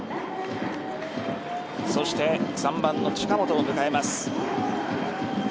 ３番の近本を迎えます。